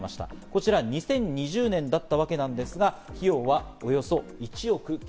こちら２０２０年だったわけですが、費用はおよそ１億９０００万円。